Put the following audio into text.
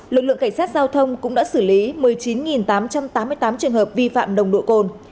lực lượng cảnh sát giao thông cũng đã xử lý một mươi chín tám trăm tám mươi tám trường hợp vi phạm nồng độ cồn